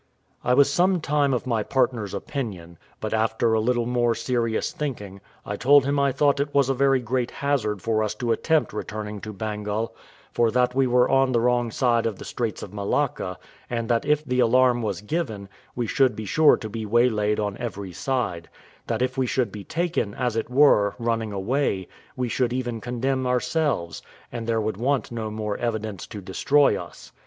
I was some time of my partner's opinion; but after a little more serious thinking, I told him I thought it was a very great hazard for us to attempt returning to Bengal, for that we were on the wrong side of the Straits of Malacca, and that if the alarm was given, we should be sure to be waylaid on every side that if we should be taken, as it were, running away, we should even condemn ourselves, and there would want no more evidence to destroy us.